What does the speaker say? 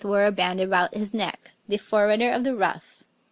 wore a band about his neck, the forerunner of the ruff.